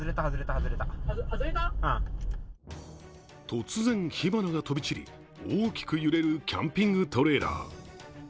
突然、火花が飛び散り、大きく揺れるキャンピングトレーラー。